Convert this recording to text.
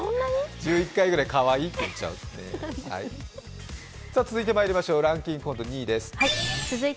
１１回ぐらいかわいいって言っちゃうんですって。